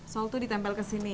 sol itu ditempel ke sini